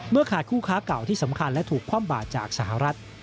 ขาดคู่ค้าเก่าที่สำคัญและถูกคว่ำบาดจากสหรัฐ